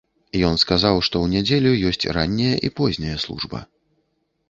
Ён казаў, што ў нядзелю ёсць рання і позняя служба.